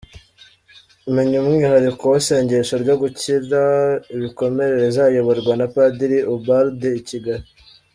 Menya umwihariko w’ isengesho ryo gukira ibikomere rizayoborwa na Padiri Ubald i Kigali.